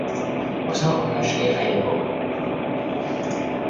Was not commercially available.